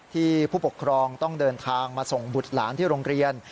ผู้ปกครองต้องเดินทางมาส่งบุตรหลานที่โรงเรียน